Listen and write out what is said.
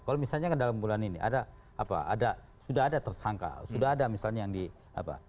kalau misalnya kan dalam bulan ini ada apa ada sudah ada tersangka sudah ada misalnya yang di apa